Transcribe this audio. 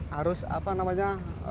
harus apa namanya